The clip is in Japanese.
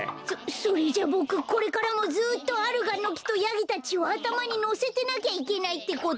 そそれじゃボクこれからもずっとアルガンのきとヤギたちをあたまにのせてなきゃいけないってこと？